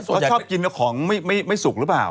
แล้วชอบกินของไม่สุกรึเปล่า